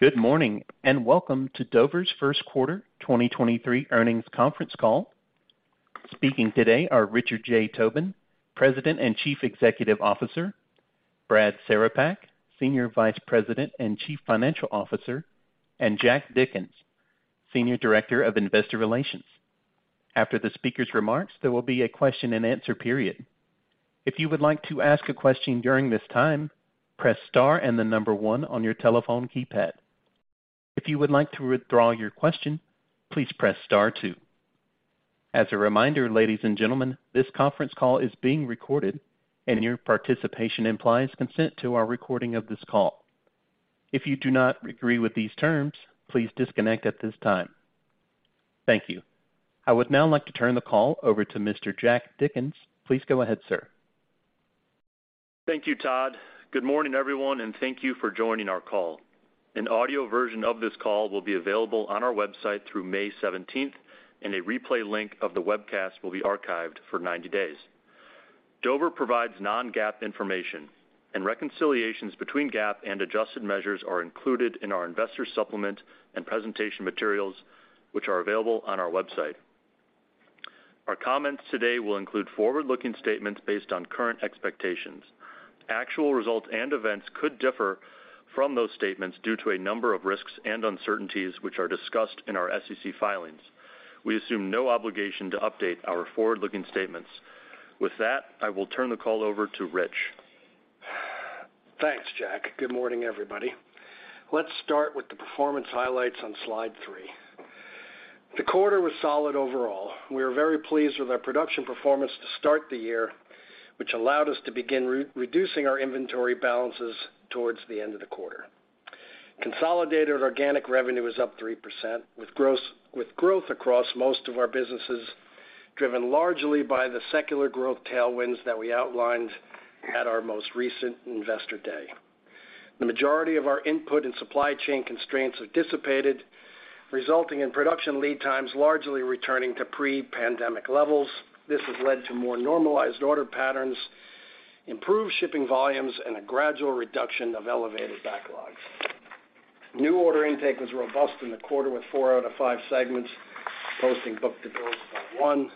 Good morning and welcome to Dover's First Quarter 2023 Earnings Conference Call. Speaking today are Richard J. Tobin, President and Chief Executive Officer, Brad Cerepak, Senior Vice President and Chief Financial Officer, and Jack Dickens, Senior Director of Investor Relations. After the speaker's remarks, there will be a question-and-answer period. If you would like to ask a question during this time, press star and the 1 on your telephone keypad. If you would like to withdraw your question, please press star 2. As a reminder, ladies and gentlemen, this conference call is being recorded and your participation implies consent to our recording of this call. If you do not agree with these terms, please disconnect at this time. Thank you. I would now like to turn the call over to Mr. Jack Dickens. Please go ahead, sir. Thank you, Todd. Good morning, everyone, and thank you for joining our call. An audio version of this call will be available on our website through May 17th, and a replay link of the webcast will be archived for 90 days. Dover provides non-GAAP information and reconciliations between GAAP and adjusted measures are included in our investor supplement and presentation materials, which are available on our website. Our comments today will include forward-looking statements based on current expectations. Actual results and events could differ from those statements due to a number of risks and uncertainties which are discussed in our SEC filings. We assume no obligation to update our forward-looking statements. With that, I will turn the call over to Rich. Thanks, Jack. Good morning, everybody. Let's start with the performance highlights on slide 3. The quarter was solid overall. We are very pleased with our production performance to start the year, which allowed us to begin re-reducing our inventory balances towards the end of the quarter. Consolidated organic revenue is up 3% with growth across most of our businesses, driven largely by the secular growth tailwinds that we outlined at our most recent Investor Day. The majority of our input and supply chain constraints have dissipated, resulting in production lead times largely returning to pre-pandemic levels. This has led to more normalized order patterns, improved shipping volumes, and a gradual reduction of elevated backlogs. New order intake was robust in the quarter, with 4 out of 5 segments posting book-to-bill of 1.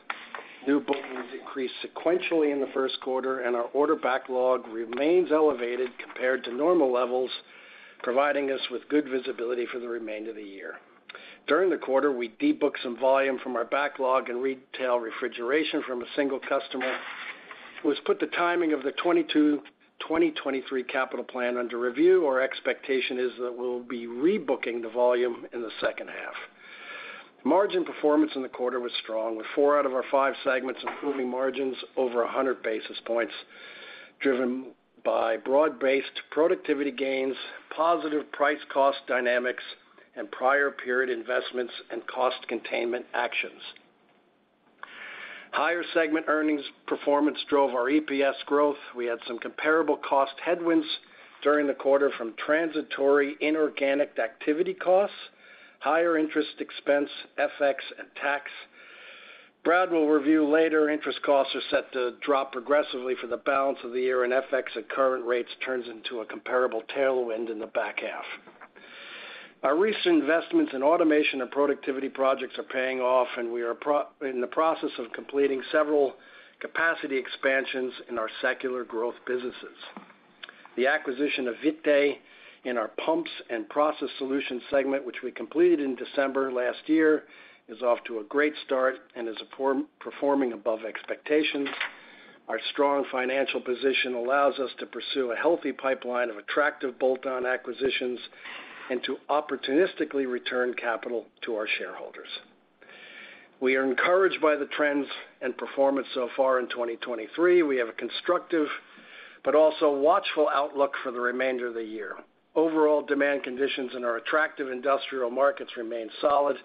New bookings increased sequentially in the first quarter. Our order backlog remains elevated compared to normal levels, providing us with good visibility for the remainder of the year. During the quarter, we de-booked some volume from our backlog and retail refrigeration from a single customer, which put the timing of the 2022/2023 capital plan under review. Our expectation is that we'll be rebooking the volume in the second half. Margin performance in the quarter was strong, with four out of our five segments improving margins over 100 basis points, driven by broad-based productivity gains, positive price cost dynamics, and prior period investments and cost containment actions. Higher segment earnings performance drove our EPS growth. We had some comparable cost headwinds during the quarter from transitory inorganic activity costs, higher interest expense, FX and tax. Brad will review later, interest costs are set to drop progressively for the balance of the year, and FX at current rates turns into a comparable tailwind in the back half. Our recent investments in automation and productivity projects are paying off, and we are in the process of completing several capacity expansions in our secular growth businesses. The acquisition of Witte in our Pumps & Process Solutions segment, which we completed in December last year, is off to a great start and is performing above expectations. Our strong financial position allows us to pursue a healthy pipeline of attractive bolt-on acquisitions and to opportunistically return capital to our shareholders. We are encouraged by the trends and performance so far in 2023. We have a constructive but also watchful outlook for the remainder of the year. Overall demand conditions in our attractive industrial markets remain solid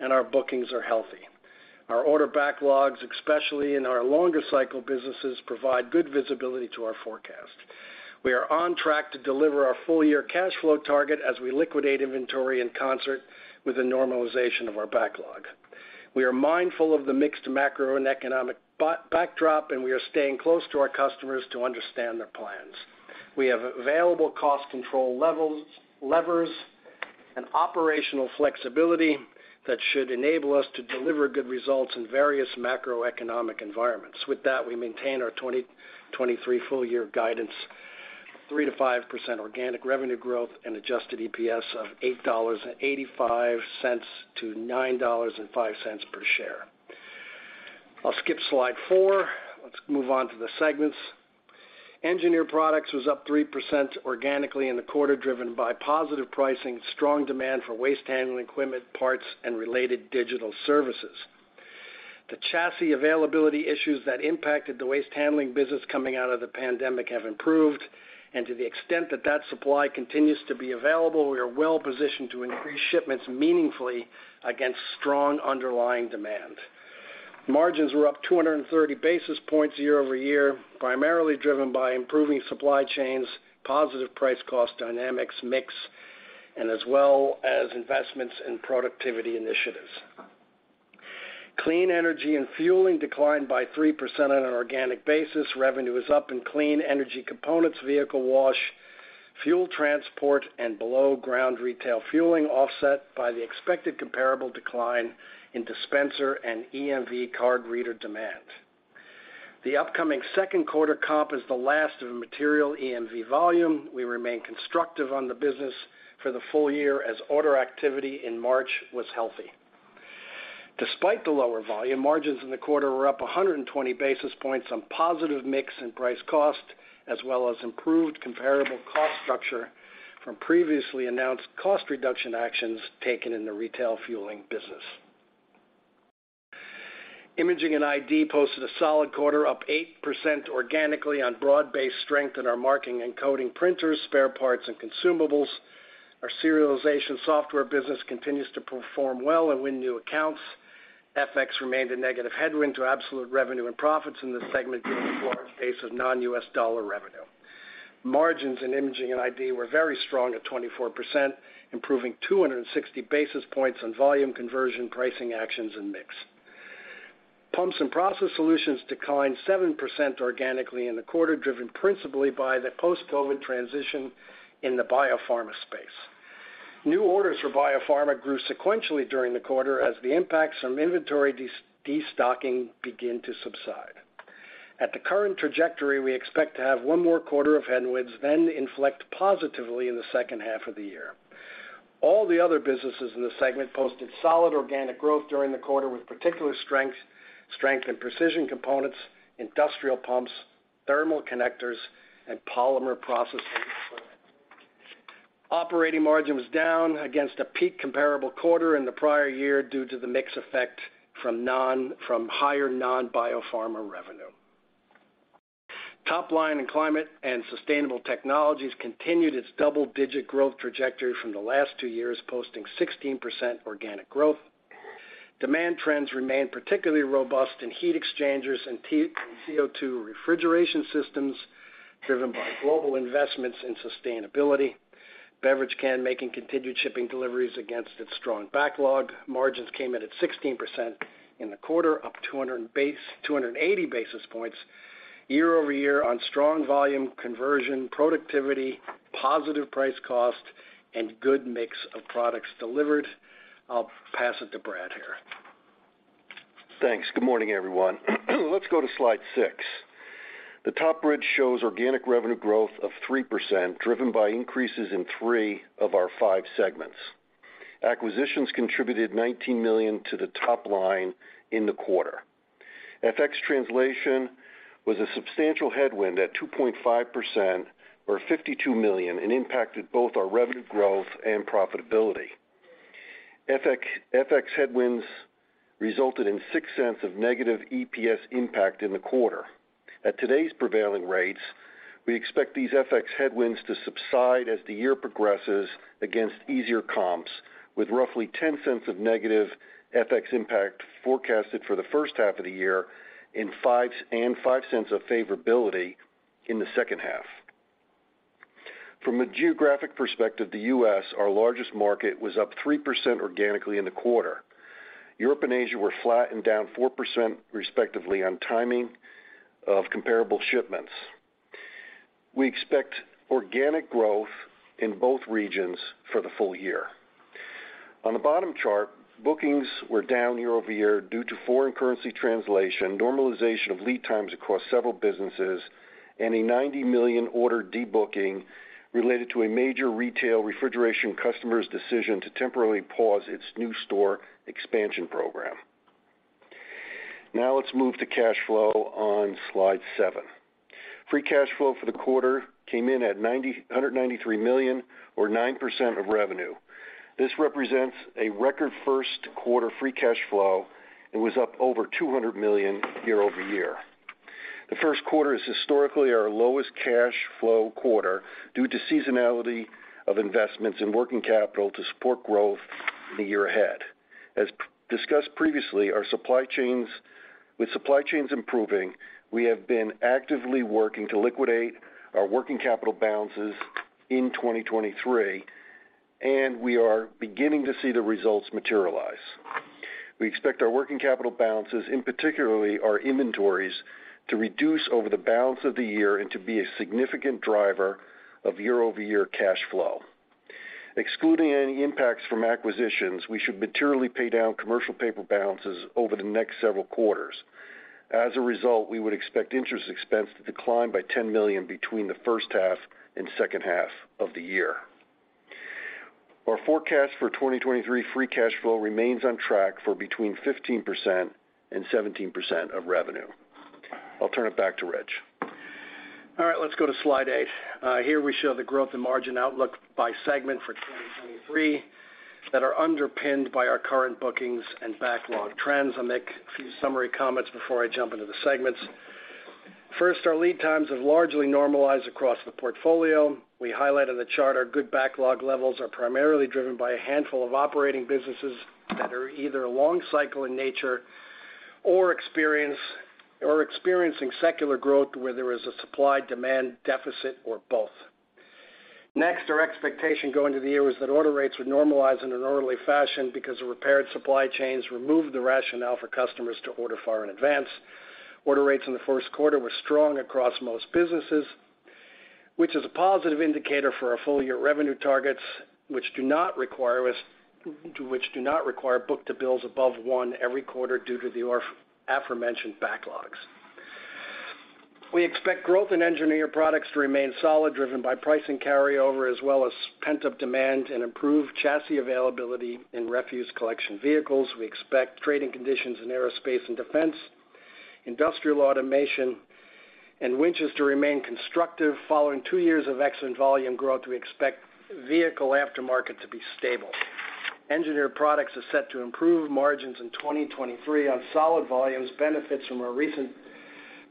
and our bookings are healthy. Our order backlogs, especially in our longer cycle businesses, provide good visibility to our forecast. We are on track to deliver our full year cash flow target as we liquidate inventory in concert with the normalization of our backlog. We are mindful of the mixed macroeconomic backdrop. We are staying close to our customers to understand their plans. We have available cost control levers and operational flexibility that should enable us to deliver good results in various macroeconomic environments. With that, we maintain our 2023 full year guidance, 3%-5% organic revenue growth and adjusted EPS of $8.85-$9.05 per share. I'll skip slide 4. Let's move on to the segments. Engineered Products was up 3% organically in the quarter, driven by positive pricing, strong demand for waste handling equipment, parts and related digital services. The chassis availability issues that impacted the waste handling business coming out of the pandemic have improved, to the extent that supply continues to be available, we are well positioned to increase shipments meaningfully against strong underlying demand. Margins were up 230 basis points year-over-year, primarily driven by improving supply chains, positive price cost dynamics mix, as well as investments in productivity initiatives. Clean Energy & Fueling declined by 3% on an organic basis. Revenue is up in clean energy components, vehicle wash, fuel transport, and below-ground retail fueling offset by the expected comparable decline in dispenser and EMV card reader demand. The upcoming second quarter comp is the last of a material EMV volume. We remain constructive on the business for the full year as order activity in March was healthy. Despite the lower volume, margins in the quarter were up 120 basis points on positive mix and price cost, as well as improved comparable cost structure from previously announced cost reduction actions taken in the retail fueling business. Imaging & Identification posted a solid quarter, up 8% organically on broad-based strength in our marking and coding printers, spare parts, and consumables. Our serialization software business continues to perform well and win new accounts. FX remained a negative headwind to absolute revenue and profits in this segment due to the foreign base of non-US dollar revenue. Margins in imaging and ID were very strong at 24%, improving 260 basis points on volume conversion, pricing actions, and mix. Pumps & Process Solutions declined 7% organically in the quarter, driven principally by the post-COVID transition in the biopharma space. New orders for biopharma grew sequentially during the quarter as the impacts from inventory destocking begin to subside. At the current trajectory, we expect to have one more quarter of headwinds, then inflect positively in the second half of the year. All the other businesses in the segment posted solid organic growth during the quarter, with particular strength in precision components, industrial pumps, thermal connectors, and polymer process solutions. Operating margin was down against a peak comparable quarter in the prior year due to the mix effect from higher non-biopharma revenue. Top line and Climate & Sustainability Technologies continued its double-digit growth trajectory from the last two years, posting 16% organic growth. Demand trends remained particularly robust in heat exchangers and T-CO2 refrigeration systems, driven by global investments in sustainability. Beverage can making continued shipping deliveries against its strong backlog. Margins came in at 16% in the quarter, up 280 basis points year-over-year on strong volume conversion, productivity, positive price cost, and good mix of products delivered. I'll pass it to Brad here. Thanks. Good morning, everyone. Let's go to slide 6. The top bridge shows organic revenue growth of 3%, driven by increases in 3 of our 5 segments. Acquisitions contributed $19 million to the top line in the quarter. FX translation was a substantial headwind at 2.5% or $52 million, and impacted both our revenue growth and profitability. FX headwinds resulted in $0.06 of negative EPS impact in the quarter. At today's prevailing rates, we expect these FX headwinds to subside as the year progresses against easier comps, with roughly $0.10 of negative FX impact forecasted for the first half of the year and $0.05 of favorability in the second half. From a geographic perspective, the U.S., our largest market, was up 3% organically in the quarter. Europe and Asia were flat and down 4% respectively on timing of comparable shipments. We expect organic growth in both regions for the full year. On the bottom chart, bookings were down year-over-year due to foreign currency translation, normalization of lead times across several businesses, and a $90 million order debooking related to a major retail refrigeration customer's decision to temporarily pause its new store expansion program. Let's move to cash flow on slide 7. Free cash flow for the quarter came in at $193 million or 9% of revenue. This represents a record first quarter free cash flow and was up over $200 million year-over-year. The first quarter is historically our lowest cash flow quarter due to seasonality of investments in working capital to support growth in the year ahead. As discussed previously, with supply chains improving, we have been actively working to liquidate our working capital balances in 2023, and we are beginning to see the results materialize. We expect our working capital balances, and particularly our inventories, to reduce over the balance of the year and to be a significant driver of year-over-year cash flow. Excluding any impacts from acquisitions, we should materially pay down commercial paper balances over the next several quarters. As a result, we would expect interest expense to decline by $10 million between the first half and second half of the year. Our forecast for 2023 free cash flow remains on track for between 15% and 17% of revenue. I'll turn it back to Rich. All right, let's go to slide 8. Here we show the growth and margin outlook by segment for 2023 that are underpinned by our current bookings and backlog trends. I'll make a few summary comments before I jump into the segments. First, our lead times have largely normalized across the portfolio. We highlight on the chart our good backlog levels are primarily driven by a handful of operating businesses that are either long cycle in nature or experiencing secular growth where there is a supply-demand deficit or both. Our expectation going to the year was that order rates would normalize in an orderly fashion because the repaired supply chains removed the rationale for customers to order far in advance. Order rates in the first quarter were strong across most businesses, which is a positive indicator for our full-year revenue targets, which do not require book-to-bill above 1 every quarter due to the aforementioned backlogs. We expect growth in Engineered Products to remain solid, driven by pricing carryover as well as pent-up demand and improved chassis availability in refuse collection vehicles. We expect trading conditions in aerospace and defense, industrial automation, and winches to remain constructive following 2 years of excellent volume growth. We expect vehicle aftermarket to be stable. Engineered Products are set to improve margins in 2023 on solid volumes, benefits from our recent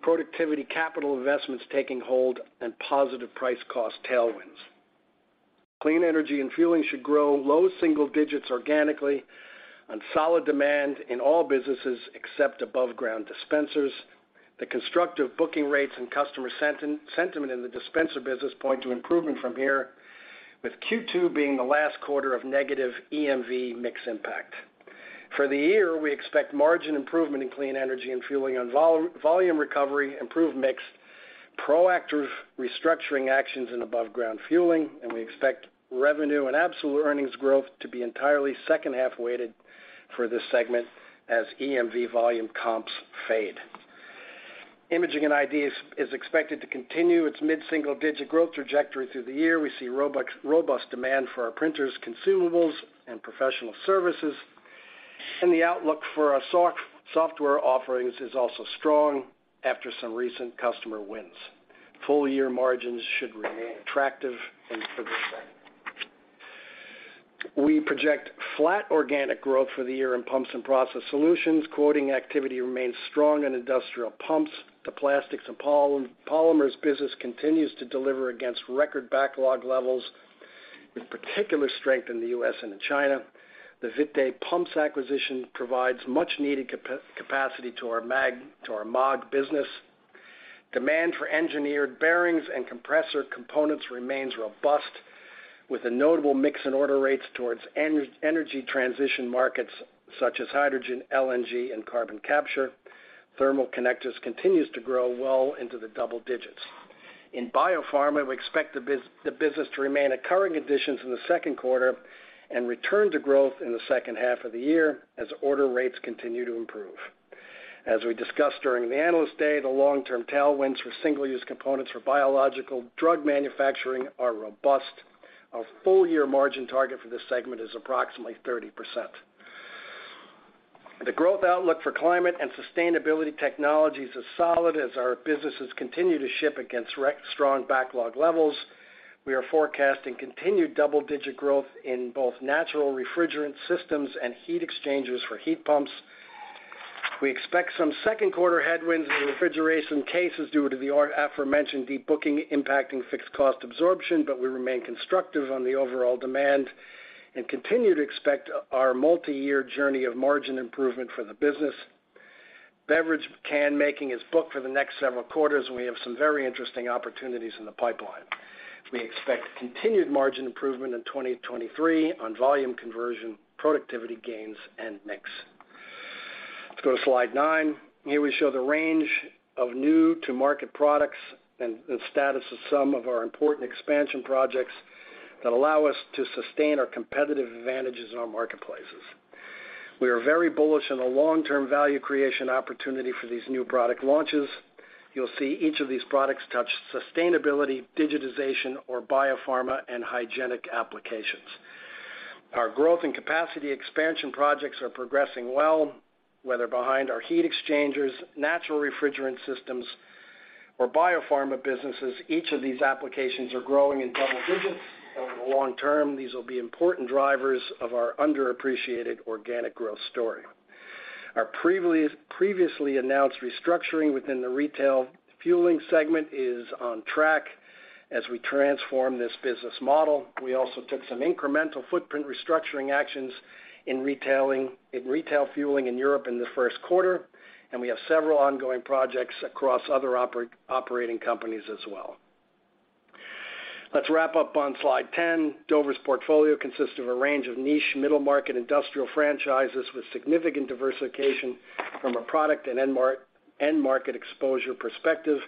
productivity capital investments taking hold and positive price cost tailwinds. Clean Energy & Fueling should grow low single digits organically on solid demand in all businesses except above ground dispensers. The constructive booking rates and customer sentiment in the dispenser business point to improvement from here, with Q2 being the last quarter of negative EMV mix impact. For the year, we expect margin improvement in Clean Energy & Fueling on volume recovery, improved mix, proactive restructuring actions in above ground fueling, and we expect revenue and absolute earnings growth to be entirely second half-weighted for this segment as EMV volume comps fade. Imaging & Identification is expected to continue its mid-single digit growth trajectory through the year. We see robust demand for our printers, consumables and professional services, and the outlook for our software offerings is also strong after some recent customer wins. Full year margins should remain attractive for this segment. We project flat organic growth for the year in Pumps & Process Solutions. Quoting activity remains strong in industrial pumps. The plastics and polymers business continues to deliver against record backlog levels, with particular strength in the U.S. and in China. The Vidatex pumps acquisition provides much needed capacity to our Maag business. Demand for engineered bearings and compressor components remains robust, with a notable mix in order rates towards energy transition markets such as hydrogen, LNG and carbon capture. Thermal connectors continues to grow well into the double digits. In biopharma, we expect the business to remain at current conditions in the second quarter and return to growth in the second half of the year as order rates continue to improve. As we discussed during the Analyst Day, the long-term tailwinds for single-use components for biological drug manufacturing are robust. Our full year margin target for this segment is approximately 30%. The growth outlook for Climate & Sustainability Technologies is solid as our businesses continue to ship against strong backlog levels. We are forecasting continued double-digit growth in both natural refrigerant systems and heat exchangers for heat pumps. We expect some second quarter headwinds in refrigeration cases due to the aforementioned deep booking impacting fixed cost absorption, but we remain constructive on the overall demand and continue to expect our multi-year journey of margin improvement for the business. Beverage can making is booked for the next several quarters, and we have some very interesting opportunities in the pipeline. We expect continued margin improvement in 2023 on volume conversion, productivity gains and mix. Let's go to slide 9. Here we show the range of new to market products and status of some of our important expansion projects that allow us to sustain our competitive advantages in our marketplaces. We are very bullish on the long-term value creation opportunity for these new product launches. You'll see each of these products touch sustainability, digitization or biopharma and hygienic applications. Our growth and capacity expansion projects are progressing well, whether behind our heat exchangers, natural refrigerant systems or biopharma businesses. Each of these applications are growing in double digits, and over the long term, these will be important drivers of our underappreciated organic growth story. Our previously announced restructuring within the retail fueling segment is on track as we transform this business model. We also took some incremental footprint restructuring actions in retail fueling in Europe in the first quarter, and we have several ongoing projects across other operating companies as well. Let's wrap up on slide 10. Dover's portfolio consists of a range of niche middle market industrial franchises with significant diversification from a product and end market exposure perspective,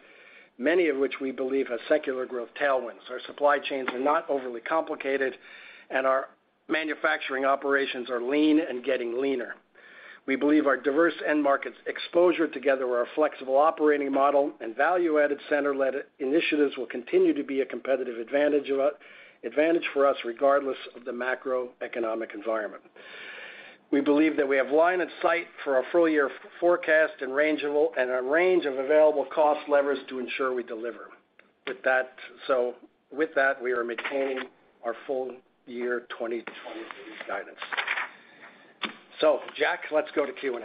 many of which we believe have secular growth tailwinds. Our supply chains are not overly complicated and our manufacturing operations are lean and getting leaner. We believe our diverse end markets exposure together with our flexible operating model and value-added center led initiatives will continue to be a competitive advantage for us regardless of the macroeconomic environment. We believe that we have line of sight for our full year forecast and a range of available cost levers to ensure we deliver. With that, we are maintaining our full year 2023 guidance. Jack, let's go to Q&A.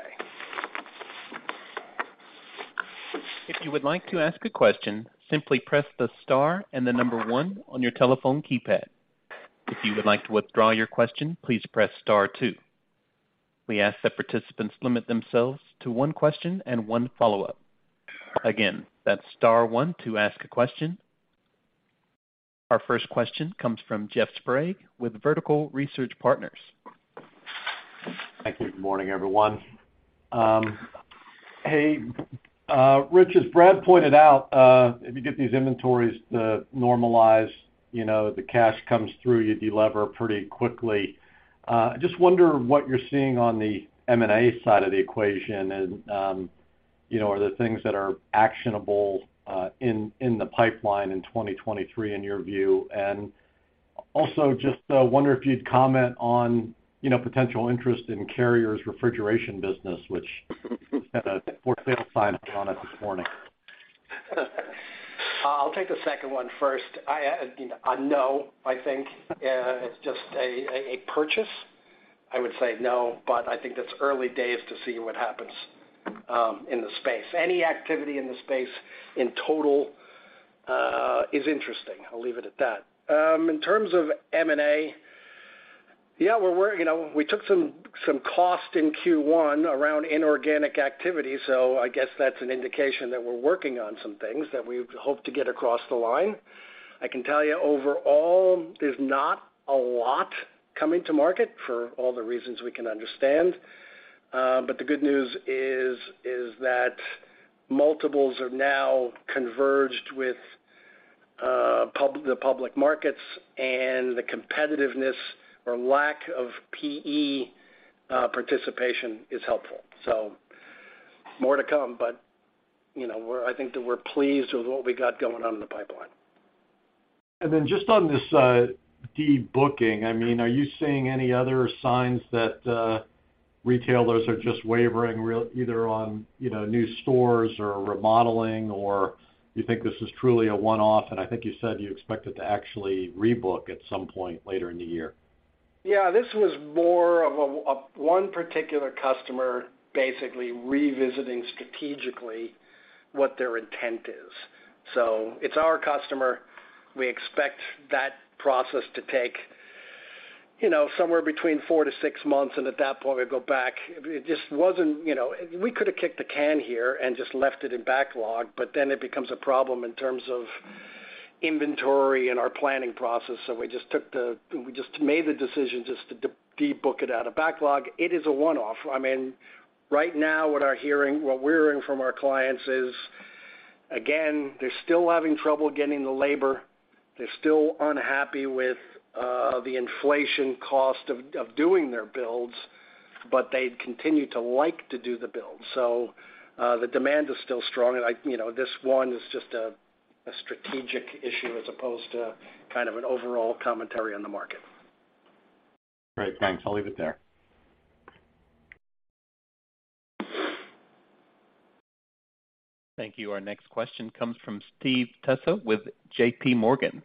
If you would like to ask a question, simply press the star and the 1 on your telephone keypad. If you would like to withdraw your question, please press star 2. We ask that participants limit themselves to 1 question and 1 follow-up. Again, that's star 1 to ask a question. Our first question comes from Jeff Sprague with Vertical Research Partners. Thank you. Good morning, everyone. Hey, Rich, as Brad pointed out, if you get these inventories to normalize, you know, the cash comes through, you de-lever pretty quickly. Just wonder what you're seeing on the M&A side of the equation, and, you know, are the things that are actionable, in the pipeline in 2023 in your view? Also just wonder if you'd comment on, you know, potential interest in Carrier's refrigeration business, which had a for sale sign up on it this morning? I'll take the second one first. I, you know, no, I think. It's just a purchase, I would say no, but I think that's early days to see what happens in the space. Any activity in the space in total is interesting. I'll leave it at that. In terms of M&A, yeah, we're You know, we took some cost in Q1 around inorganic activity, so I guess that's an indication that we're working on some things that we hope to get across the line. I can tell you overall there's not a lot coming to market for all the reasons we can understand, but the good news is that multiples are now converged with the public markets and the competitiveness or lack of PE participation is helpful. More to come, but, you know, I think that we're pleased with what we got going on in the pipeline. Just on this, de-booking, I mean, are you seeing any other signs that, retailers are just wavering either on, you know, new stores or remodeling, or you think this is truly a one-off? I think you said you expect it to actually rebook at some point later in the year. Yeah. This was more of a one particular customer basically revisiting strategically what their intent is. It's our customer. We expect that process to take, you know, somewhere between 4 to 6 months. At that point we go back. It just wasn't, you know. We could have kicked the can here and just left it in backlog, but then it becomes a problem in terms of inventory and our planning process, so we just made the decision just to de-book it out of backlog. It is a one-off. I mean, right now what we're hearing from our clients is, again, they're still having trouble getting the labor. They're still unhappy with the inflation cost of doing their builds, but they continue to like to do the builds. The demand is still strong and like, you know, this one is just a strategic issue as opposed to kind of an overall commentary on the market. Great, thanks. I'll leave it there. Thank you. Our next question comes from Steve Tusa with JP Morgan.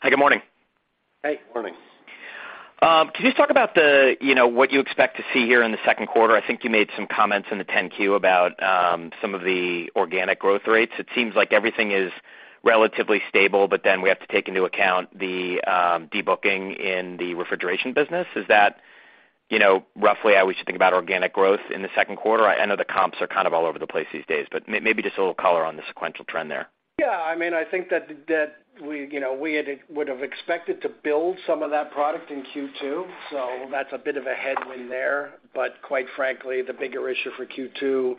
Hi, good morning. Hey, good morning. Can you just talk about the, you know, what you expect to see here in the second quarter? I think you made some comments in the 10-Q about some of the organic growth rates. It seems like everything is relatively stable, we have to take into account the de-booking in the refrigeration business. Is that, you know, roughly how we should think about organic growth in the second quarter? I know the comps are kind of all over the place these days, but maybe just a little color on the sequential trend there. I mean, I think that we, you know, we would have expected to build some of that product in Q2, so that's a bit of a headwind there. Quite frankly, the bigger issue for Q2,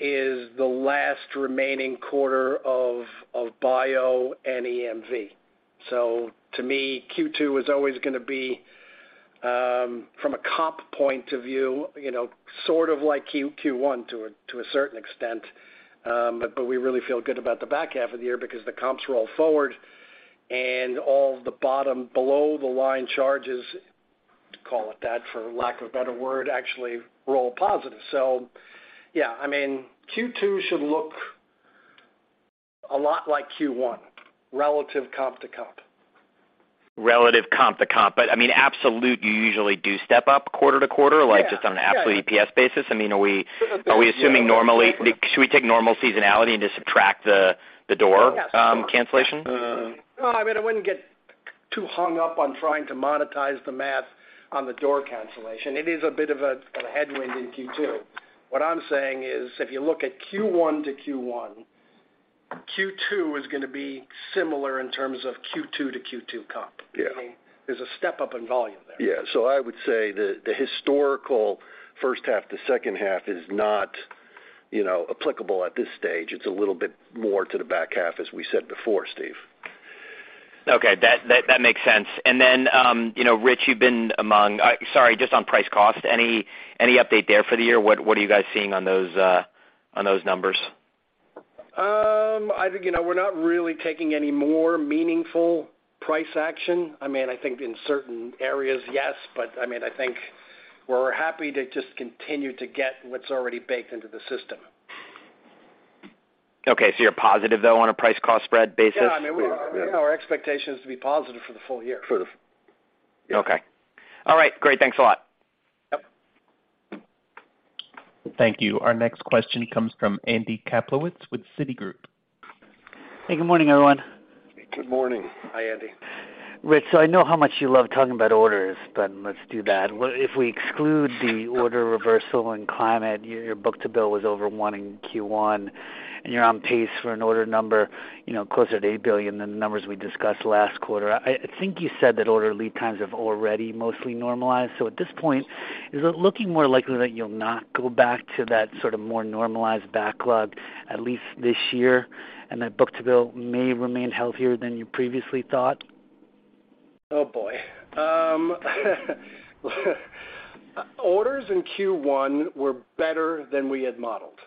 is the last remaining quarter of bio and EMV. To me, Q2 is always gonna be, from a comp point of view, you know, sort of like Q1 to a, to a certain extent. We really feel good about the back half of the year because the comps roll forward and all the bottom below the line charges, call it that for lack of a better word, actually roll positive. I mean, Q2 should look a lot like Q1, relative comp to comp. Relative comp to comp. I mean, absolute, you usually do step up quarter to quarter. Yeah. Like just on an absolute EPS basis, I mean, are we. A bit, yeah. Should we take normal seasonality and just subtract the? Yeah, sure. cancellation? No, I mean, I wouldn't get too hung up on trying to monetize the math on the door cancellation. It is a bit of a headwind in Q2. What I'm saying is, if you look at Q1 to Q1, Q2 is gonna be similar in terms of Q2 to Q2 comp. Yeah. There's a step up in volume there. Yeah. I would say the historical first half to second half is not, you know, applicable at this stage. It's a little bit more to the back half, as we said before, Steve. Okay. That makes sense. you know, Rich, you've been among... Sorry, just on price cost, any update there for the year? What are you guys seeing on those numbers? I think, you know, we're not really taking any more meaningful price action. I mean, I think in certain areas, yes, but I mean, I think we're happy to just continue to get what's already baked into the system. Okay, you're positive though, on a price cost spread basis? Yeah, I mean, we are. You know, our expectation is to be positive for the full year. True. Yeah. Okay. All right, great. Thanks a lot. Thank you. Our next question comes from Andy Kaplowitz with Citigroup. Hey, good morning, everyone. Good morning. Hi, Andy. Rich, I know how much you love talking about orders, but let's do that. What if we exclude the order reversal in Climate, your book-to-bill was over 1 in Q1, and you're on pace for an order number, you know, closer to $8 billion than the numbers we discussed last quarter. I think you said that order lead times have already mostly normalized. At this point, is it looking more likely that you'll not go back to that sort of more normalized backlog, at least this year, and that book-to-bill may remain healthier than you previously thought? Oh, boy. Orders in Q1 were better than we had modeled.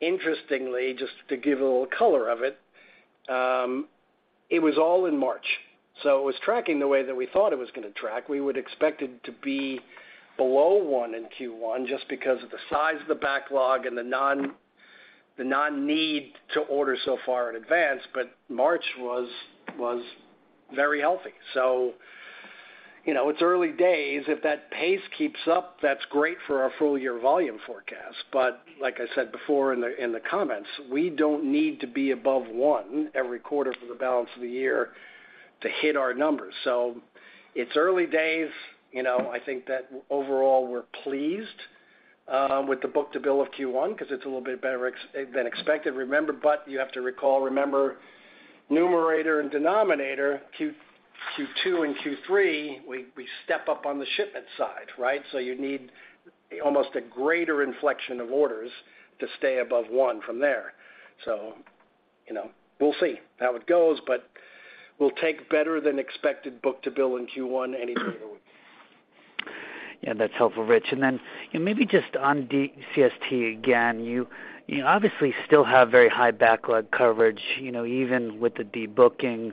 Interestingly, just to give a little color of it was all in March, so it was tracking the way that we thought it was gonna track. We would expect it to be below 1 in Q1 just because of the size of the backlog and the non, the non-need to order so far in advance. March was very healthy. You know, it's early days. If that pace keeps up, that's great for our full year volume forecast. Like I said before in the comments, we don't need to be above 1 every quarter for the balance of the year to hit our numbers. It's early days, you know. I think that overall, we're pleased with the book-to-bill of Q1 because it's a little bit better than expected, remember, but you have to recall, remember numerator and denominator, Q2 and Q3, we step up on the shipment side, right? You need almost a greater inflection of orders to stay above 1 from there. You know, we'll see how it goes, but we'll take better than expected book-to-bill in Q1 any day of the week. Yeah, that's helpful, Rich. you know, maybe just on DCST again, you obviously still have very high backlog coverage, you know, even with the debooking.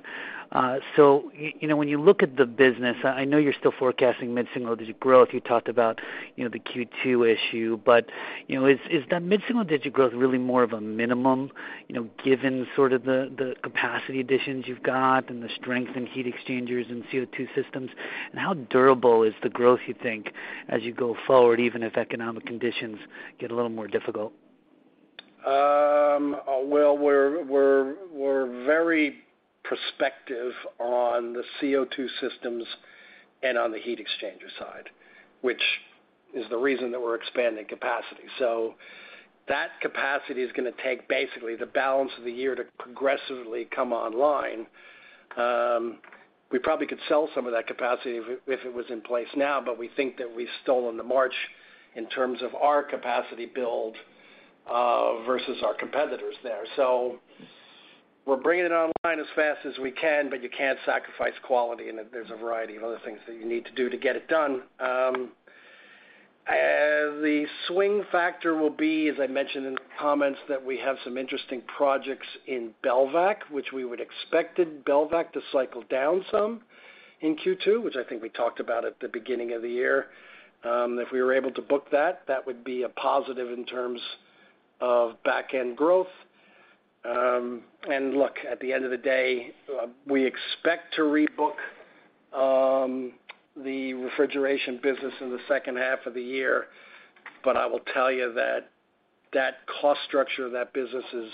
you know, when you look at the business, I know you're still forecasting mid-single digit growth. You talked about, you know, the Q2 issue, you know, is that mid-single digit growth really more of a minimum, you know, given sort of the capacity additions you've got and the strength in heat exchangers and CO2 systems? How durable is the growth, you think, as you go forward, even if economic conditions get a little more difficult? Well, we're very prospective on the CO2 systems and on the heat exchanger side, which is the reason that we're expanding capacity. That capacity is gonna take basically the balance of the year to progressively come online. We probably could sell some of that capacity if it was in place now, but we think that we've stolen the march in terms of our capacity build versus our competitors there. We're bringing it online as fast as we can, but you can't sacrifice quality, and there's a variety of other things that you need to do to get it done. The swing factor will be, as I mentioned in the comments, that we have some interesting projects in Belvac, which we would expected Belvac to cycle down some in Q2, which I think we talked about at the beginning of the year. If we were able to book that would be a positive in terms of back-end growth. Look, at the end of the day, we expect to rebook the refrigeration business in the second half of the year. I will tell you that that cost structure of that business is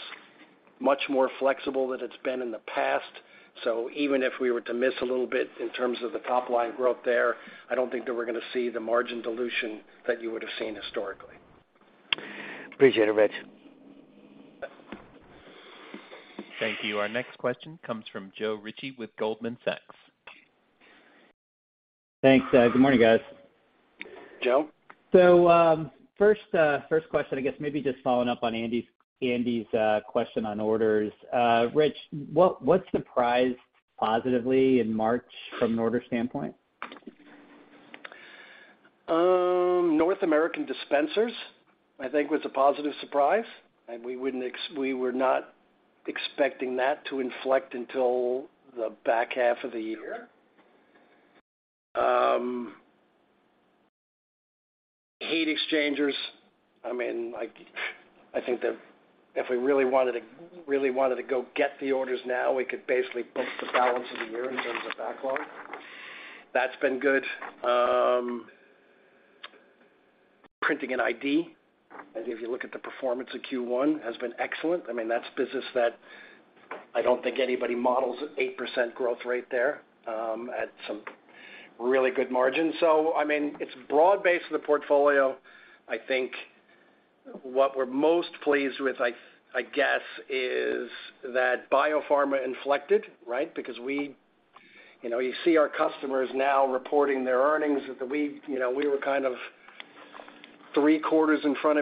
much more flexible than it's been in the past. Even if we were to miss a little bit in terms of the top line growth there, I don't think that we're gonna see the margin dilution that you would have seen historically. Appreciate it, Rich. Thank you. Our next question comes from Joe Ritchie with Goldman Sachs. Thanks. Good morning, guys. Joe. First question, I guess maybe just following up on Andy's question on orders. Rich, what surprised positively in March from an order standpoint? North American dispensers, I think was a positive surprise. We were not expecting that to inflect until the back half of the year. Heat exchangers, I mean, like, I think that if we really wanted to go get the orders now, we could basically book the balance of the year in terms of backlog. That's been good. Printing and ID, I think if you look at the performance of Q1, has been excellent. I mean, that's business that I don't think anybody models 8% growth rate there at some really good margins. I mean, it's broad base of the portfolio. I think what we're most pleased with, I guess, is that biopharma inflected, right? We, you know, you see our customers now reporting their earnings that we, you know, we were kind of three quarters in front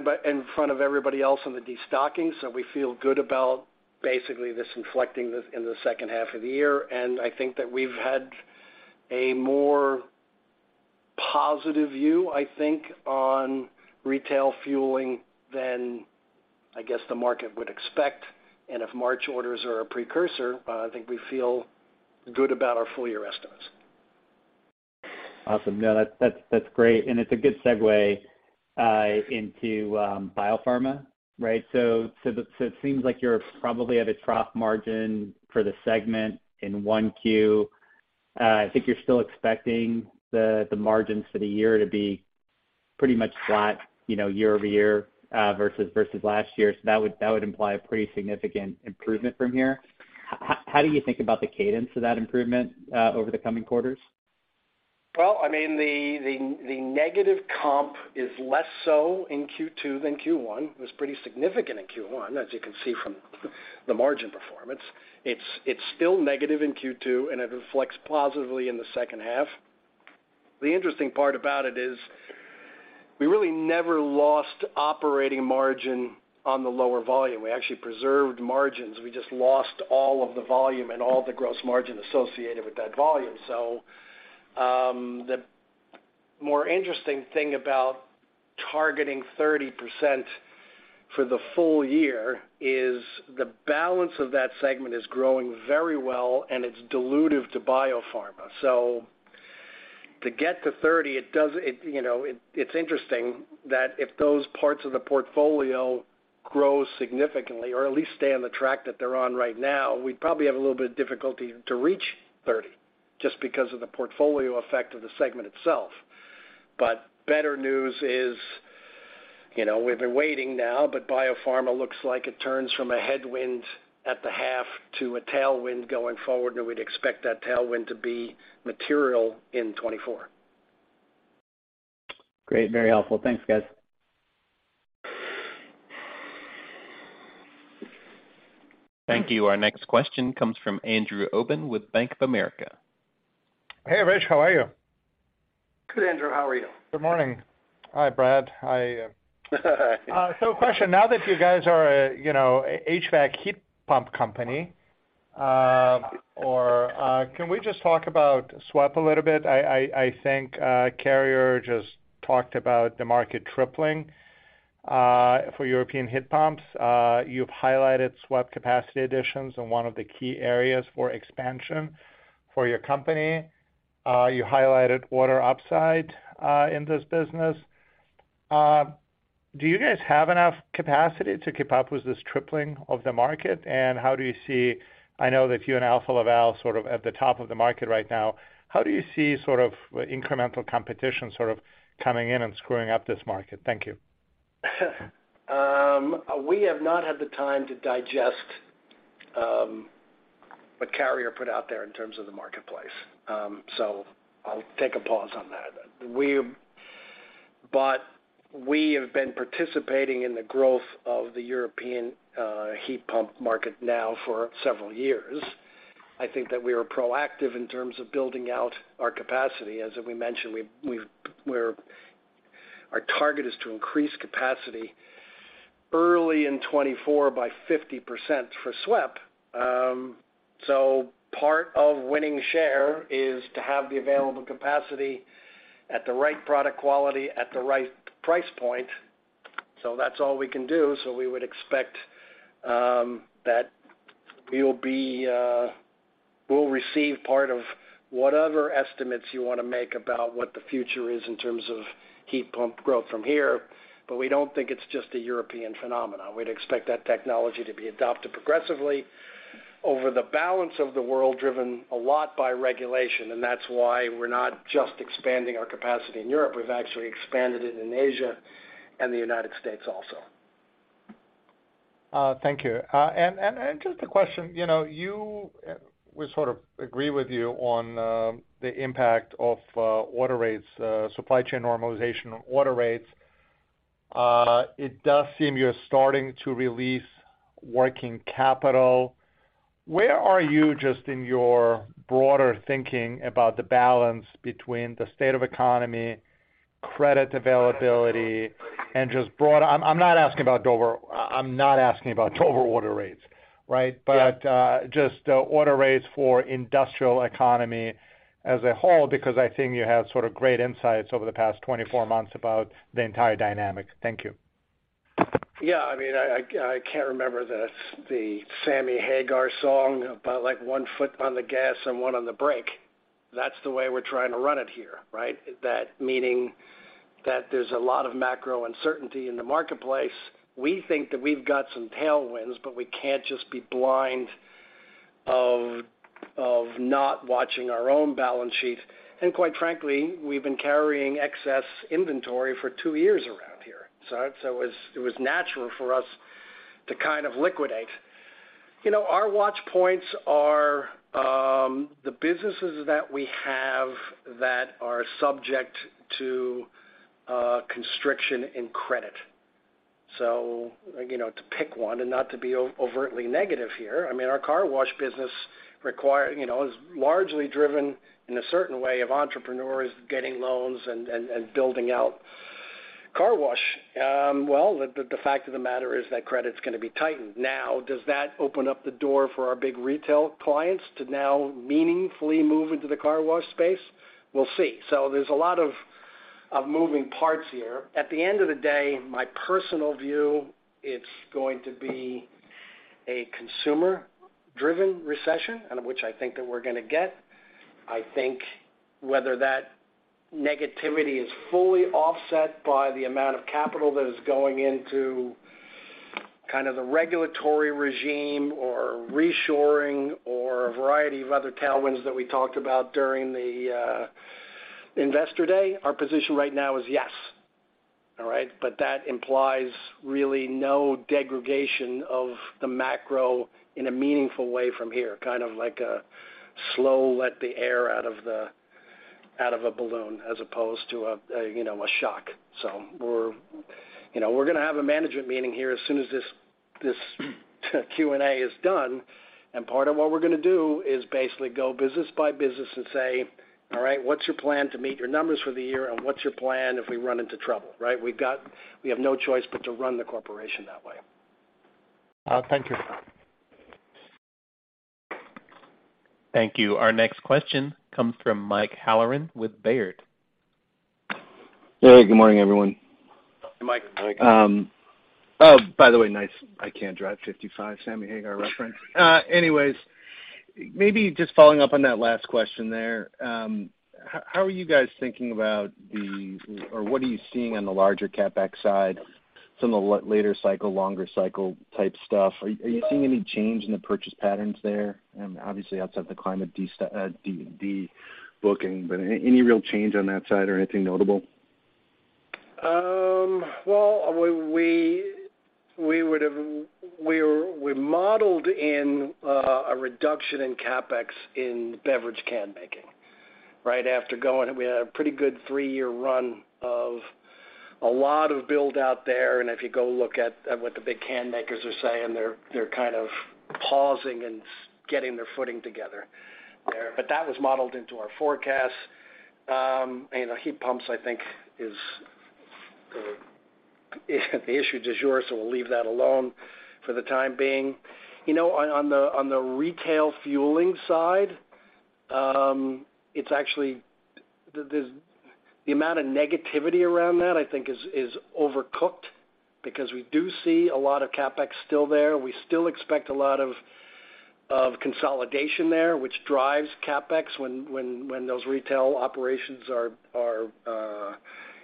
of everybody else in the destocking. We feel good about basically this inflecting this in the second half of the year. I think that we've had a more positive view, I think, on retail fueling than, I guess, the market would expect. If March orders are a precursor, I think we feel good about our full year estimates. Awesome. No, that's great. It's a good segue into biopharma, right? It seems like you're probably at a trough margin for the segment in 1Q. I think you're still expecting the margins for the year to be pretty much flat, you know, year-over-year, versus last year. That would imply a pretty significant improvement from here. How do you think about the cadence of that improvement over the coming quarters? Well, I mean, the negative comp is less so in Q2 than Q1. It was pretty significant in Q1, as you can see from the margin performance. It's still negative in Q2, and it reflects positively in the second half. The interesting part about it is we really never lost operating margin on the lower volume. We actually preserved margins. We just lost all of the volume and all the gross margin associated with that volume. The more interesting thing about targeting 30% for the full year is the balance of that segment is growing very well, and it's dilutive to biopharma. To get to 30, it, you know, it's interesting that if those parts of the portfolio grow significantly or at least stay on the track that they're on right now, we'd probably have a little bit of difficulty to reach 30 just because of the portfolio effect of the segment itself. Better news is, you know, we've been waiting now, but biopharma looks like it turns from a headwind at the half to a tailwind going forward, and we'd expect that tailwind to be material in 2024. Great. Very helpful. Thanks, guys. Thank you. Our next question comes from Andrew Obin with Bank of America. Hey, Rich, how are you? Good, Andrew, how are you? Good morning. Hi, Brad. Hi. Question. Now that you guys are a, you know, a HVAC heat pump company, or, can we just talk about SWEP a little bit? I think Carrier just talked about the market tripling for European heat pumps. You've highlighted SWEP capacity additions in one of the key areas for expansion for your company. You highlighted order upside in this business. Do you guys have enough capacity to keep up with this tripling of the market? How do you see... I know that you and Alfa Laval sort of at the top of the market right now. How do you see sort of incremental competition sort of coming in and screwing up this market? Thank you. We have not had the time to digest what Carrier put out there in terms of the marketplace. I'll take a pause on that. We have been participating in the growth of the European heat pump market now for several years. I think that we are proactive in terms of building out our capacity. As we mentioned, we're our target is to increase capacity early in 2024 by 50% for SWEP. Part of winning share is to have the available capacity at the right product quality at the right price point. That's all we can do. We would expect that we'll receive part of whatever estimates you wanna make about what the future is in terms of heat pump growth from here. We don't think it's just a European phenomenon. We'd expect that technology to be adopted progressively over the balance of the world, driven a lot by regulation, and that's why we're not just expanding our capacity in Europe. We've actually expanded it in Asia and the United States also. Thank you. Just a question. You know, we sort of agree with you on the impact of order rates, supply chain normalization on order rates. It does seem you're starting to release working capital. Where are you just in your broader thinking about the balance between the state of economy, credit availability, and just broad... I'm not asking about Dover. I'm not asking about Dover order rates, right? Yeah. Just, order rates for industrial economy as a whole, because I think you have sort of great insights over the past 24 months about the entire dynamic. Thank you. Yeah. I mean, I can't remember the Sammy Hagar song about, like, one foot on the gas and one on the brake. That's the way we're trying to run it here, right? That meaning that there's a lot of macro uncertainty in the marketplace. We think that we've got some tailwinds, but we can't just be blind of not watching our own balance sheet. Quite frankly, we've been carrying excess inventory for 2 years around here. It was natural for us to kind of liquidate. You know, our watch points are the businesses that we have that are subject to constriction in credit. You know, to pick one and not to be overtly negative here, I mean, our car wash business, you know, is largely driven in a certain way of entrepreneurs getting loans and building out car wash. Well, the fact of the matter is that credit's gonna be tightened. Now, does that open up the door for our big retail clients to now meaningfully move into the car wash space? We'll see. There's a lot of moving parts here. At the end of the day, my personal view, it's going to be a consumer driven recession, and which I think that we're gonna get. I think whether that negativity is fully offset by the amount of capital that is going into kind of the regulatory regime or reshoring or a variety of other tailwinds that we talked about during the Investor Day, our position right now is yes. All right? That implies really no degradation of the macro in a meaningful way from here, kind of like a slow let the air out of a balloon as opposed to a, you know, a shock. We're, you know, we're gonna have a management meeting here as soon as this Q&A is done, and part of what we're gonna do is basically go business by business and say, "All right, what's your plan to meet your numbers for the year, and what's your plan if we run into trouble?" Right? We have no choice but to run the corporation that way. Thank you. Thank you. Our next question comes from Mike Halloran with Baird. Hey, good morning, everyone. Hey, Mike. Oh, by the way, nice I can't drive 55, Sammy Hagar reference. Anyways, maybe just following up on that last question there, how are you guys thinking about the, or what are you seeing on the larger CapEx side, some of the later cycle, longer cycle type stuff? Are you seeing any change in the purchase patterns there, obviously outside the climate debooking? Any real change on that side or anything notable? Well, we modeled in a reduction in CapEx in beverage can making. If you go look at what the big can makers are saying, they're kind of pausing and getting their footing together there. That was modeled into our forecast. You know, heat pumps, I think, is the issue du jour, so we'll leave that alone for the time being. You know, on the retail fueling side, it's actually the amount of negativity around that I think is overcooked because we do see a lot of CapEx still there. We still expect a lot of consolidation there, which drives CapEx when those retail operations are,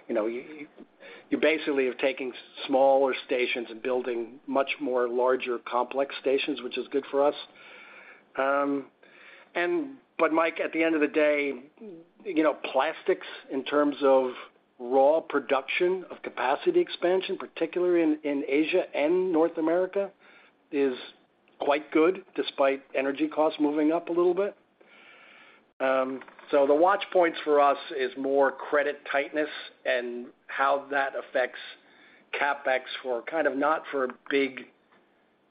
you know. You basically are taking smaller stations and building much more larger complex stations, which is good for us. Mike, at the end of the day, you know, plastics in terms of raw production of capacity expansion, particularly in Asia and North America, is quite good despite energy costs moving up a little bit. The watch points for us is more credit tightness and how that affects CapEx for kind of not for big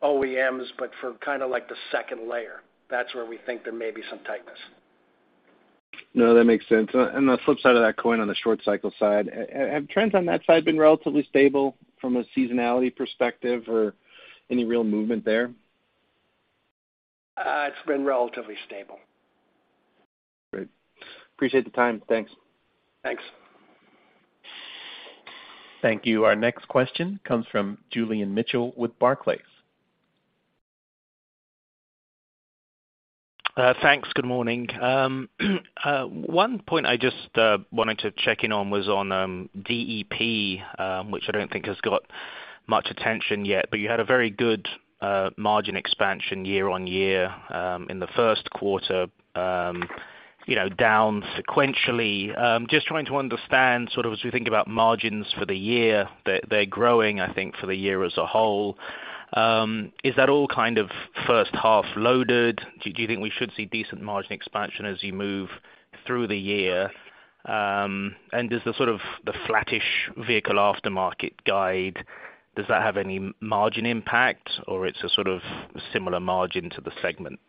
OEMs, but for kind of like the second layer. That's where we think there may be some tightness. No, that makes sense. On the flip side of that coin, on the short cycle side, have trends on that side been relatively stable from a seasonality perspective or any real movement there? It's been relatively stable. Great. Appreciate the time. Thanks. Thanks. Thank you. Our next question comes from Julian Mitchell with Barclays. Thanks. Good morning. One point I just wanted to check in on was on DEP, which I don't think has got much attention yet, but you had a very good margin expansion year-on-year in the first quarter, you know, down sequentially. Just trying to understand sort of as we think about margins for the year, they're growing, I think, for the year as a whole. Is that all kind of first half loaded? Do you think we should see decent margin expansion as you move through the year? Does the sort of the flattish vehicle aftermarket guide, does that have any margin impact or it's a sort of similar margin to the segment?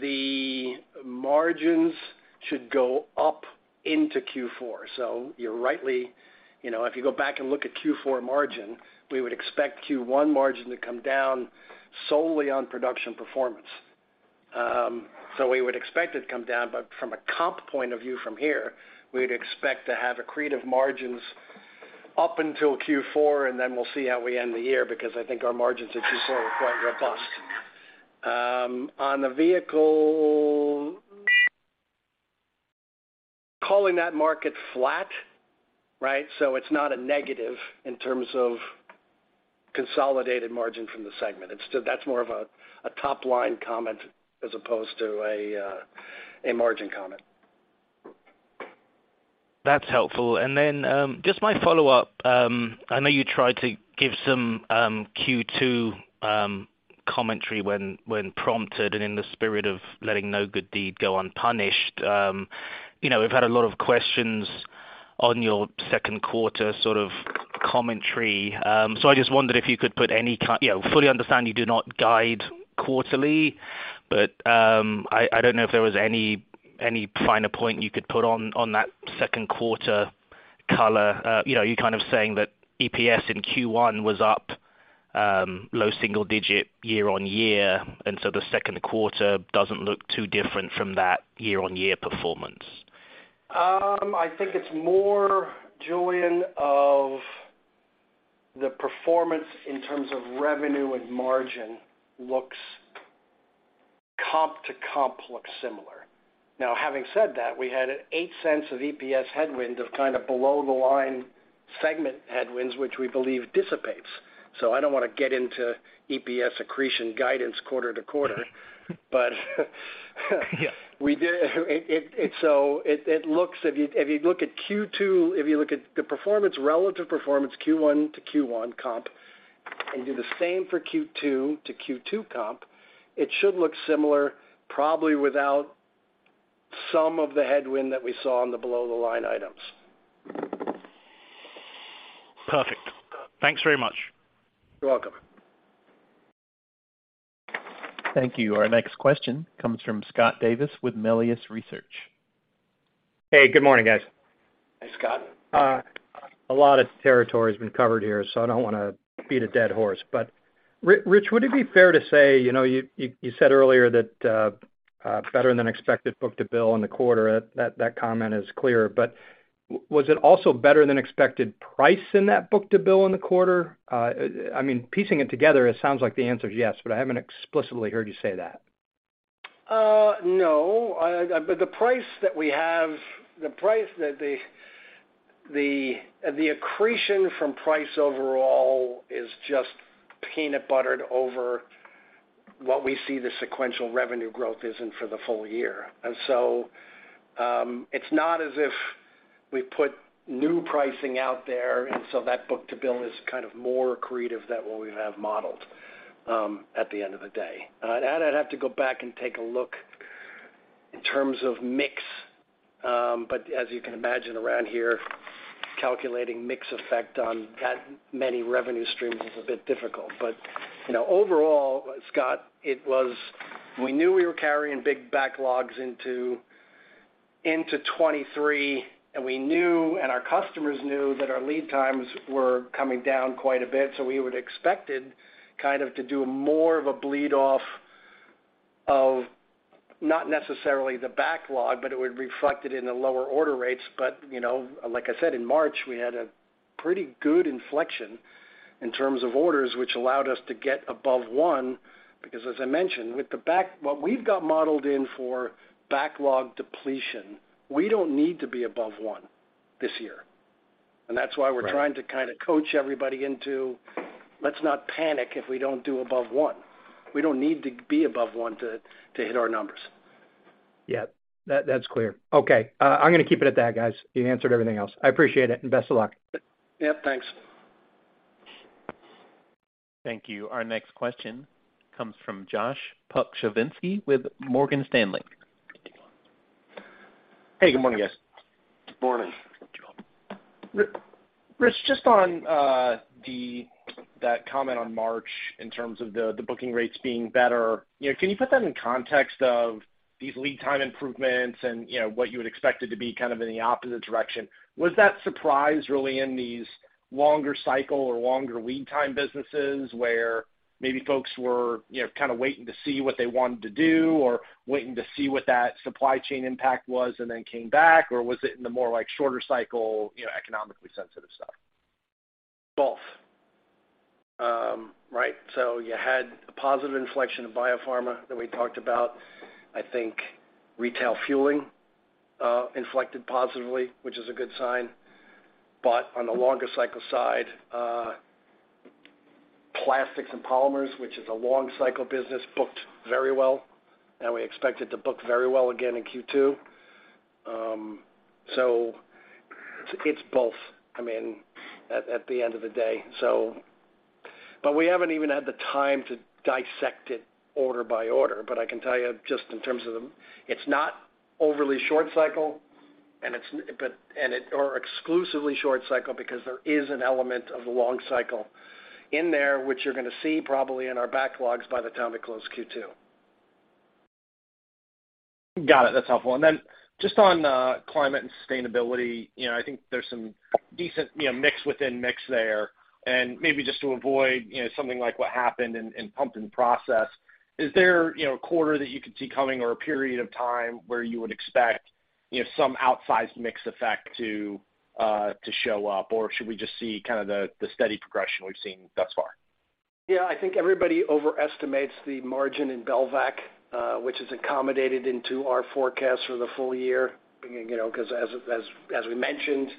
The margins should go up into Q4. You know, if you go back and look at Q4 margin, we would expect Q1 margin to come down solely on production performance. We would expect it to come down, but from a comp point of view from here, we'd expect to have accretive margins up until Q4, and then we'll see how we end the year because I think our margins as you saw were quite robust. On the vehicle, calling that market flat, right? It's not a negative in terms of consolidated margin from the segment. That's more of a top-line comment as opposed to a margin comment. That's helpful. Just my follow-up, I know you tried to give some Q2 commentary when prompted and in the spirit of letting no good deed go unpunished, you know, we've had a lot of questions on your second quarter sort of commentary. I just wondered if you could put any. You know, fully understand you do not guide quarterly, but, I don't know if there was any finer point you could put on that second quarter color. You know, you're kind of saying that EPS in Q1 was up, low single digit year-over-year, and so the second quarter doesn't look too different from that year-over-year performance. I think it's more, Julian, of the performance in terms of revenue and margin looks comp to comp look similar. Now, having said that, we had an $0.08 of EPS headwind of kind of below the line segment headwinds, which we believe dissipates. I don't wanna get into EPS accretion guidance quarter to quarter, but Yeah. It looks if you look at Q2, if you look at the performance, relative performance, Q1 to Q1 comp, and do the same for Q2 to Q2 comp, it should look similar, probably without some of the headwind that we saw on the below the line items. Perfect. Thanks very much. You're welcome. Thank you. Our next question comes from Scott Davis with Melius Research. Hey, good morning, guys. Hey, Scott. A lot of territory has been covered here, I don't wanna beat a dead horse, but Rich, would it be fair to say, you know, you said earlier that better than expected book-to-bill in the quarter? That comment is clear. Was it also better than expected price in that book-to-bill in the quarter? I mean, piecing it together, it sounds like the answer is yes, but I haven't explicitly heard you say that. No. The price that we have, the price that the accretion from price overall is just peanut buttered over what we see the sequential revenue growth is in for the full year. It's not as if we put new pricing out there, and so that book-to-bill is kind of more accretive than what we have modeled at the end of the day. I'd have to go back and take a look in terms of mix, but as you can imagine around here, calculating mix effect on that many revenue streams is a bit difficult. You know, overall, Scott, it was we knew we were carrying big backlogs into 2023, and we knew, and our customers knew that our lead times were coming down quite a bit, so we would expected kind of to do more of a bleed off of not necessarily the backlog, but it would reflect it in the lower order rates. You know, like I said, in March, we had a pretty good inflection in terms of orders, which allowed us to get above 1, because as I mentioned, with what we've got modeled in for backlog depletion, we don't need to be above 1 this year. That's why we're trying to kind of coach everybody into, let's not panic if we don't do above 1. We don't need to be above 1 to hit our numbers. Yeah. That's clear. Okay, I'm gonna keep it at that, guys. You answered everything else. I appreciate it, and best of luck. Yeah, thanks. Thank you. Our next question comes from Joshua Pokrzywinski with Morgan Stanley. Hey, good morning, guys. Good morning. Rich, just on that comment on March in terms of the booking rates being better, you know, can you put that in context of these lead time improvements and, you know, what you would expect it to be kind of in the opposite direction? Was that surprise really in these longer cycle or longer lead time businesses where maybe folks were, you know, kinda waiting to see what they wanted to do or waiting to see what that supply chain impact was and then came back? Or was it in the more like shorter cycle, you know, economically sensitive stuff? Both. Right. You had a positive inflection of biopharma that we talked about. I think retail fueling inflected positively, which is a good sign. On the longer cycle side, plastics and polymers, which is a long cycle business, booked very well. We expect it to book very well again in Q2. It's both, I mean, at the end of the day. We haven't even had the time to dissect it order by order. I can tell you just in terms of the... It's not overly short cycle, or exclusively short cycle because there is an element of the long cycle in there, which you're gonna see probably in our backlogs by the time we close Q2. Got it. That's helpful. Then just on, Climate & Sustainability, you know, I think there's some decent, you know, mix within mix there. Maybe just to avoid, you know, something like what happened in Pumps & Process, is there, you know, a quarter that you could see coming or a period of time where you would expect, you know, some outsized mix effect to show up? Or should we just see kinda the steady progression we've seen thus far? Yeah. I think everybody overestimates the margin in Belvac, which is accommodated into our forecast for the full year. You know, 'cause as we mentioned,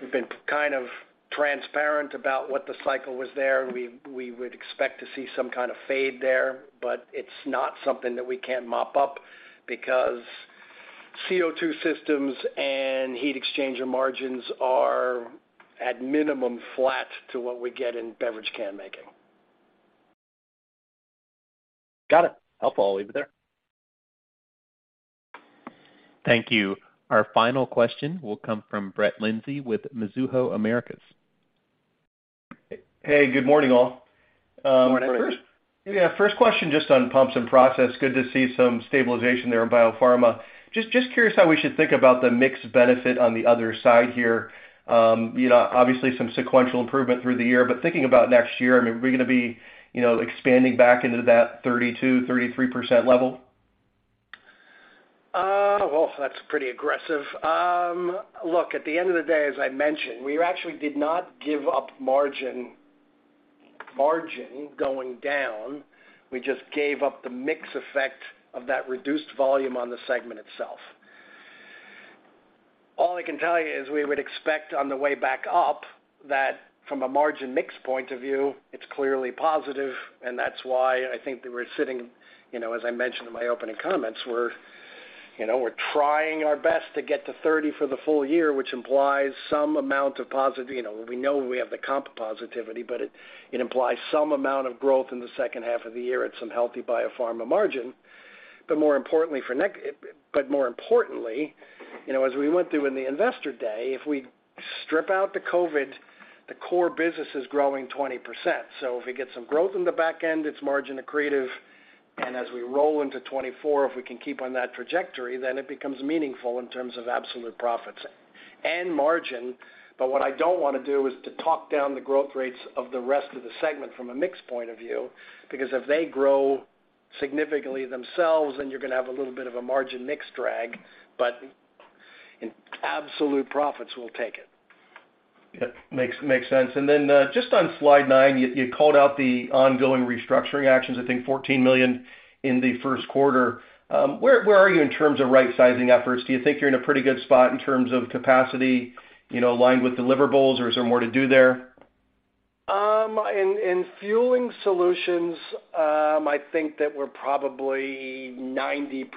we've been kind of transparent about what the cycle was there. We would expect to see some kind of fade there, but it's not something that we can't mop up because CO2 systems and heat exchanger margins are at minimum flat to what we get in beverage can making. Got it. I'll follow over there. Thank you. Our final question will come from Brett Linzey with Mizuho Americas. Hey, good morning, all. Morning. Yeah, first question just on Pumps & Process Solutions. Good to see some stabilization there in biopharma. Just curious how we should think about the mix benefit on the other side here. You know, obviously some sequential improvement through the year, but thinking about next year, I mean, are we gonna be, you know, expanding back into that 32%, 33% level? Well, that's pretty aggressive. Look, at the end of the day, as I mentioned, we actually did not give up margin going down. We just gave up the mix effect of that reduced volume on the segment itself. All I can tell you is we would expect on the way back up that from a margin mix point of view, it's clearly positive, and that's why I think that we're sitting, you know, as I mentioned in my opening comments, we're, you know, trying our best to get to 30 for the full year, which implies some amount of positive. You know, we know we have the comp positivity, but it implies some amount of growth in the second half of the year at some healthy biopharma margin. More importantly, you know, as we went through in the Investor Day, if we strip out the COVID, the core business is growing 20%. If we get some growth in the back end, it's margin accretive. As we roll into 2024, if we can keep on that trajectory, then it becomes meaningful in terms of absolute profits and margin. What I don't wanna do is to talk down the growth rates of the rest of the segment from a mix point of view, because if they grow significantly themselves, then you're gonna have a little bit of a margin mix drag. In absolute profits, we'll take it. Yeah. Makes sense. Just on slide 9, you called out the ongoing restructuring actions, I think $14 million in the first quarter. Where are you in terms of rightsizing efforts? Do you think you're in a pretty good spot in terms of capacity, you know, aligned with deliverables, or is there more to do there? In Fueling Solutions, I think that we're probably 90%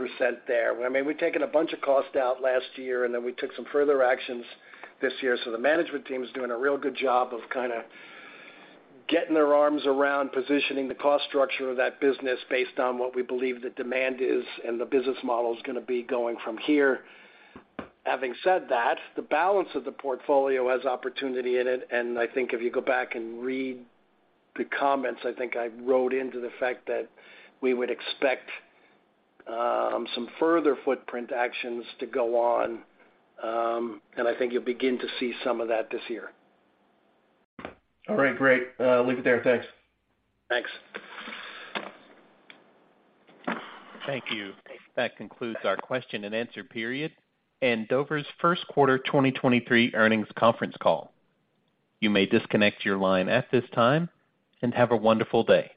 there. I mean, we've taken a bunch of cost out last year, and then we took some further actions this year. The management team is doing a real good job of kinda getting their arms around positioning the cost structure of that business based on what we believe the demand is and the business model is gonna be going from here. Having said that, the balance of the portfolio has opportunity in it, and I think if you go back and read the comments, I think I wrote into the fact that we would expect, some further footprint actions to go on, and I think you'll begin to see some of that this year. All right. Great. Leave it there. Thanks. Thanks. Thank you. That concludes our question and answer period and Dover's first quarter 2023 earnings conference call. You may disconnect your line at this time, and have a wonderful day.